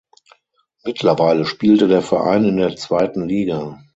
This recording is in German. Mittlerweile spielte der Verein in der zweiten Liga.